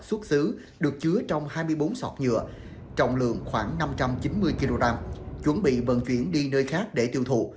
xuất xứ được chứa trong hai mươi bốn sọt nhựa trọng lượng khoảng năm trăm chín mươi kg chuẩn bị vận chuyển đi nơi khác để tiêu thụ